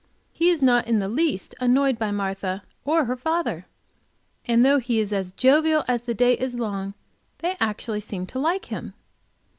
He is not in the least annoyed by Martha or her father, and though he is as jovial as the day is long, they actually seem to like him.